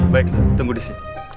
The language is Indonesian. baik tunggu disini